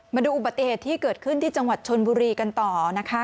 มาดูอุบัติเหตุที่เกิดขึ้นที่จังหวัดชนบุรีกันต่อนะคะ